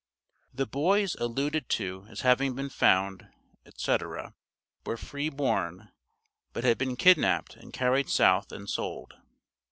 The "boys" alluded to as having been "found" &c., were free born, but had been kidnapped and carried south and sold.